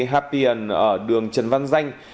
hapien ở đường trần văn danh